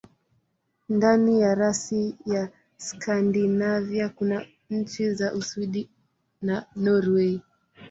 Ndani ya rasi ya Skandinavia kuna nchi za Uswidi na Norwei.